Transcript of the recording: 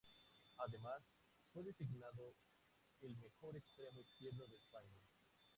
Además, fue designado el mejor extremo izquierdo de España.